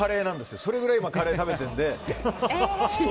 それくらいカレーを食べてるので。